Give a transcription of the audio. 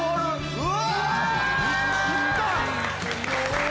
・うわ！